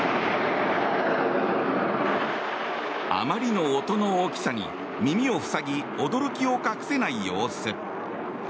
あまりの音の大きさに耳を塞ぎ驚きを隠せない様子。